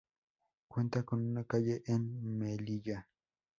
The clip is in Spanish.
Cuenta con una calle en Melilla.